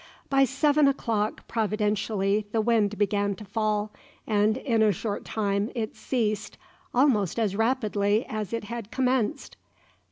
By seven o'clock providentially the wind began to fall, and in a short time it ceased almost as rapidly as it had commenced.